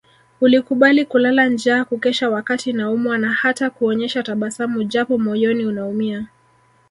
Ulikubali kulala njaa kukesha wakati naumwa na hata kuonyesha tabasamu japo moyoni unaumia